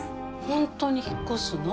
本当に引っ越すの？